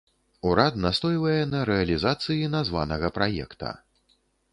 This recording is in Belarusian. Урад настойвае на рэалізацыі названага праекта.